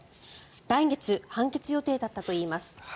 来月判決予定だったといいます。